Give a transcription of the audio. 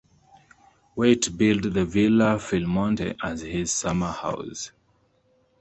Waite built the Villa Philmonte as his summer house.